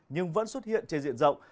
nhưng vẫn xuất hiện trên diện rộng